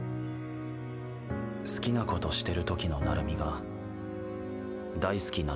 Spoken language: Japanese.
好きな事してる時の成海が大好きなので。